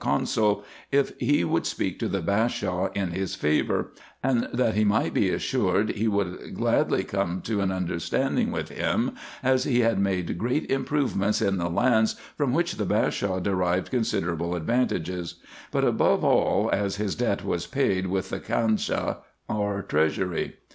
289 consul, if he would speak to the Bashaw in his favour ; and that he might be assured he would gladly come to an understanding with him, as he had made great improvements in the lands, from winch the Bashaw derived considerable advantages ; but above all, as his debt was paid with the khasna or treasury.